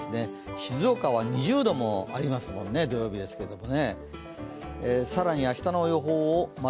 静岡は２０度もありますもんね、土曜日ですけどね。